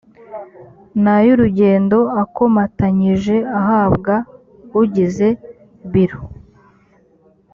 n’ay ‘urugendo akomatanyije ahabwa ugize biro